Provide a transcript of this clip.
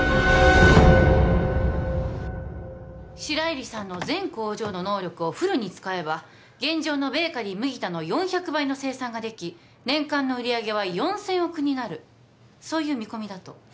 白百合さんの全工場の能力をフルに使えば現状のベーカリー麦田の４００倍の生産ができ年間の売り上げは４０００億になるそういう見込みだと？